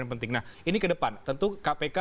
yang penting nah ini ke depan tentu kpk